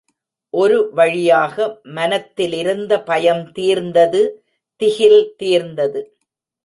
ஒருவழியாக மனத்திலிருந்த பயம் தீர்ந்தது திகில் தீர்ந்தது.